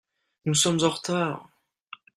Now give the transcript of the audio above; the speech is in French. Nous sommes en retard.